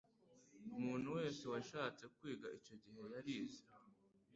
umuntu wese washatse kwiga icyo gihe yarize